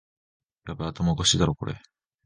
ヤバい、頭おかしいだろこれ